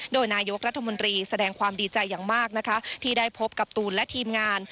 โดยนายกรัฐมนตรีแสดงความดีใจอย่างมากนะคะที่ได้พบกับตูนและทีมงาน